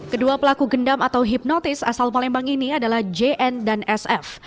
kedua pelaku gendam atau hipnotis asal palembang ini adalah jn dan sf